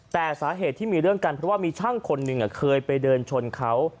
แต่สาเหตุที่มีเรื่องกันเพราะว่ามีช่างคนหนึ่งเคยไปเดินชนเขา